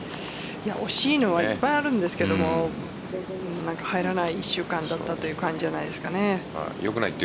惜しいのはいっぱいあるんですけど何か入らない１週間だったという感じじゃないですかね。